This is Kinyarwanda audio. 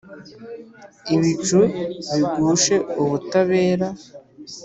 ibicu bigushe ubutabera,